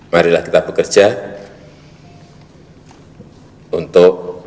marilah kita bekerja untuk